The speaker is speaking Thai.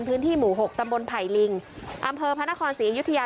พื้นที่หมู่๖ตำบลไผ่ลิงอำเภอพระนครศรีอยุธยา